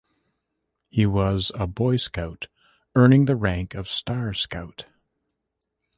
He was a Boy Scout, earning the rank of Star Scout.